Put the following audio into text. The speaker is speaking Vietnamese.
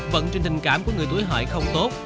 vận trình tình cảm của người tuổi hợi không tốt